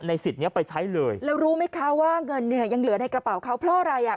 สิทธิ์เนี้ยไปใช้เลยแล้วรู้ไหมคะว่าเงินเนี่ยยังเหลือในกระเป๋าเขาเพราะอะไรอ่ะ